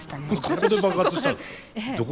どこで爆発したんですか？